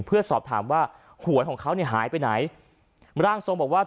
เพื่อสอบถามว่าหวยของเขานี่หายไปไหนบอกว่า